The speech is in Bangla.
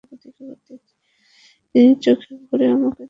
তিনি চোখ ভরে আমাকে দেখেই আমাকে চিনে ফেললেন।